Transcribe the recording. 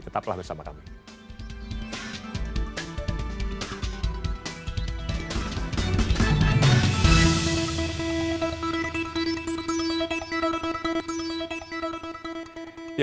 tetaplah bersama kami